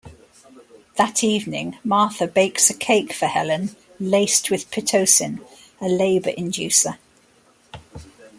That evening, Martha bakes a cake for Helen laced with pitocin, a labor inducer.